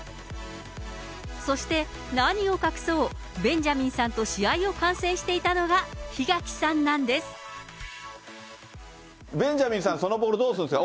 そして、何を隠そう、ベンジャミンさんと試合を観戦していたのが、ベンジャミンさん、そのボールどうするんですか？